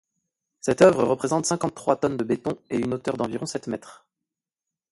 Cette œuvre représente cinquante-trois tonnes de béton et une hauteur d’environ sept mètres.